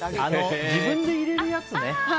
自分で入れるやつね。